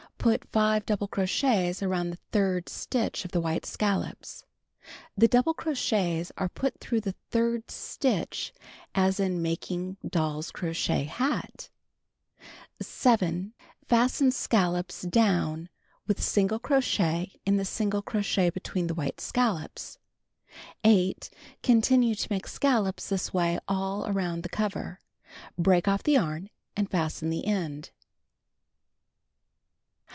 Put 5 double crochets around the third stitch of the white scallops. The double crochets are put around the third stitch as in making Doll's Crocheted Hat, page 207. 7. Fasten scallop down with single crochet in the single crochet between the white scallops. 8. Continue to make scallops this way all around the cover. Break off the yarn, and fasten the end.